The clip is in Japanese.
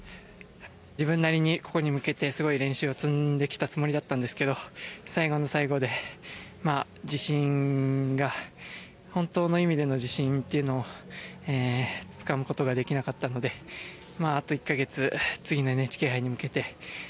自分なりにここに向けてすごい練習を積んできたつもりだったんですけど最後の最後で自信が本当の意味での自信っていうのをつかむ事ができなかったのであと１カ月次のＮＨＫ杯に向けて全力で頑張っていきます。